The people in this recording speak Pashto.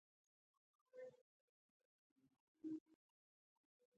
ســـــــرې لمـبـــــې په ګوګـل کــې رابلـيـــږي